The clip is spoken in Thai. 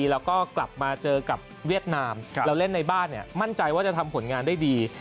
แล้วก็กลับมาเจอกับเวียดนามแล้วเล่นในบ้านมั่นใจว่าจะทำผลงานได้ดี